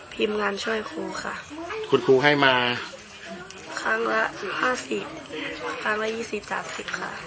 ทีมงานช่วยครูค่ะคุณครูให้มาครั้งละห้าสิบครั้งครั้งละยี่สิบสามสิบค่ะ